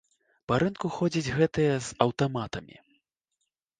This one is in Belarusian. Па рынку ходзяць гэтыя з аўтаматамі.